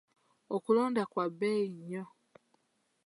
Okulonda kwa bbeeyi nnyo.